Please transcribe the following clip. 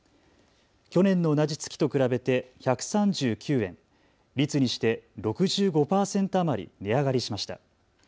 去年の同じ月月と比べて１３９円、率にして６５％余り値上がりしました。